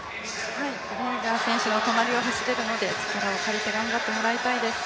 フレイザー選手の隣を走れるので力を借りて頑張ってもらいたいです。